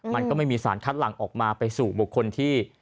มันก็ไม่มีสารคัดหลังออกมาไปสู่บุคคลที่